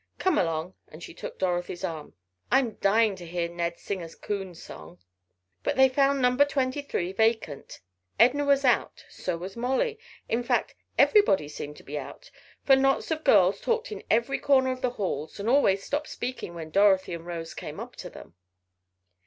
Come along," and she took Dorothy's arm. "I'm dying to hear Ned sing a coon song." But they found number twenty three vacant. Edna was out, so was Molly, in fact everybody seemed to be out, for knots of girls talked in every corner of the halls and always stopped speaking when Dorothy and Rose came up to them.